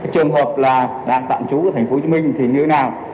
trường hợp là đang tạm trú ở tp hcm thì như thế nào